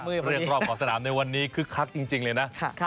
เรื่องรอบหอศน้ำวันนี้คือคลักจริงเลยนะ